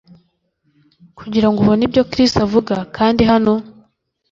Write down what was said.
Kugirango ubone ibyo Chris avuga, kanda hano.